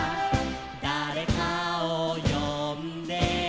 「だれかをよんで」